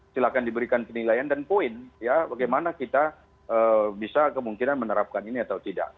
silahkan diberikan penilaian dan poin ya bagaimana kita bisa kemungkinan menerapkan ini atau tidak